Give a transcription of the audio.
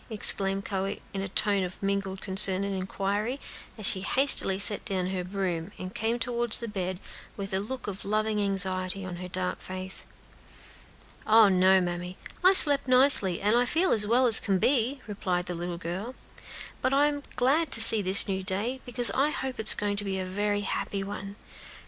exclaimed Chloe, in a tone of mingled concern and inquiry, as she hastily set down her broom, and came toward the bed, with a look of loving anxiety on her dark face. "Oh, no, mammy! I slept nicely, and feel as well as can be," replied the little girl; "but I am glad to see this new day, because I hope it is going to be a very happy one.